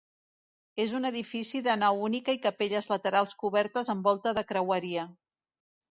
És un edifici de nau única i capelles laterals cobertes amb volta de creueria.